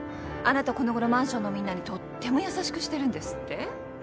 あなたこの頃マンションのみんなにとっても優しくしてるんですって？